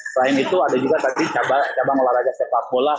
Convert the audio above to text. selain itu ada juga tadi cabang olahraga sepak bola